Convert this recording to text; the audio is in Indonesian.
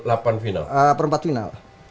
atau ke per delapan final